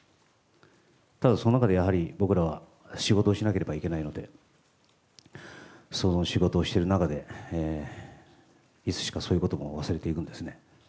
ただその中でやはり、僕らは仕事をしなければいけないので、その仕事をしている中で、いつしかそういうことも忘れているんですね。